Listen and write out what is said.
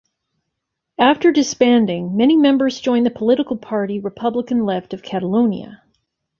After disbanding, many members joined the political party Republican Left of Catalonia.